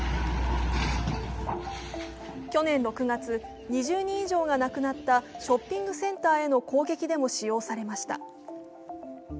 去年６月、２０人以上が亡くなったショッピングセンターへの攻撃でも使用されました。